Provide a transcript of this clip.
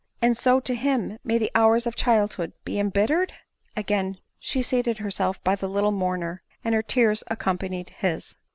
and so to him may the hours of childhood be em bittered !" Again she seated herself by the little mour ner— rand, her tears accompanied his.